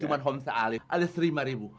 cuma bapak saya alih alih lima ribu